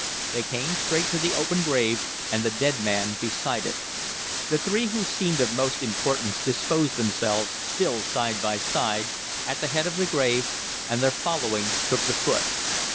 They came straight to the open grave, and the dead man beside it. The three who seemed of most importance disposed themselves, still side by side, at the head of the grave, and their following took the foot.